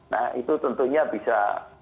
nah itu tentunya bisa